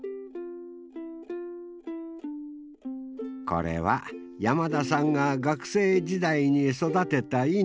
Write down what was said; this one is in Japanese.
これは山田さんが学生時代に育てた稲。